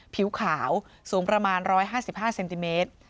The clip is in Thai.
ผิวขาวสูงประมาณ๑๕๕เซนติเมตร